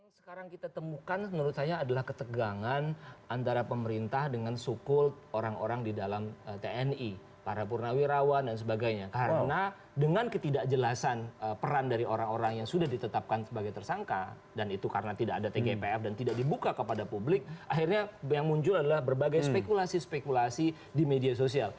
yang sekarang kita temukan menurut saya adalah ketegangan antara pemerintah dengan sukul orang orang di dalam tni para purnawirawan dan sebagainya karena dengan ketidakjelasan peran dari orang orang yang sudah ditetapkan sebagai tersangka dan itu karena tidak ada tgpf dan tidak dibuka kepada publik akhirnya yang muncul adalah berbagai spekulasi spekulasi di media sosial